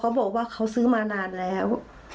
พอเค้าบอกว่าเค้าซื้อมานานแล้ว